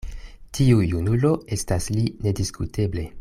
Tiu junulo estas li nediskuteble.